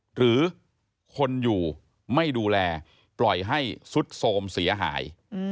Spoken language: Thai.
หรือคนอยู่ไม่ดูแลปล่อยให้สุดโสมเสียหาย